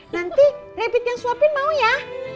nanti rabbit yang suapin mau ya